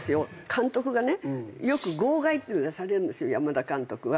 監督がねよく号外って出されるんです山田監督は。